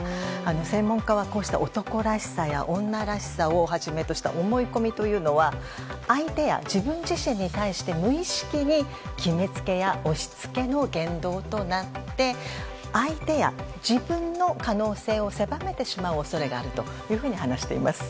専門家はこうした男らしさや女らしさをはじめとした思い込みというのは相手や自分自身に対して無意識に決めつけや押しつけの言動となって相手や自分の可能性を狭めてしまう恐れがあると話しています。